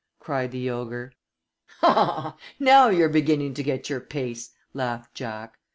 cried the ogre. "Now you're beginning to get your pace," laughed Jack.